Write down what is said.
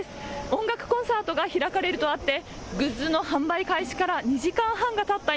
音楽コンサートが開かれるとあってグッズの販売開始から２時間半がたった